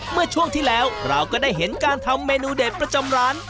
เมื่อช่วงที่แล้วเราก็ได้เห็นการทำเมนูเด็ดประจำร้าน